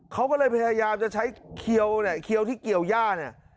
เขาก็เลยพยายามจะใช้เขียวเนี่ยเขียวที่เกี่ยวย่าเนี่ย